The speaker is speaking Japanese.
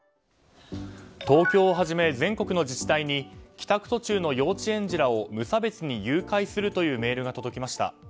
東京をはじめ全国の自治体に帰宅途中の幼稚園児らを無差別に誘拐するとのメールが届きました。